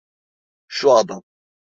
Şu adam?